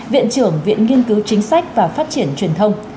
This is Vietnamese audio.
viện trưởng viện nghiên cứu chính sách và phát triển truyền thông